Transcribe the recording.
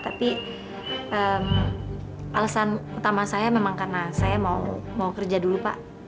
tapi alasan utama saya memang karena saya mau kerja dulu pak